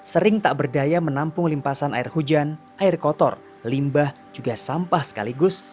sering tak berdaya menampung limpasan air hujan air kotor limbah juga sampah sekaligus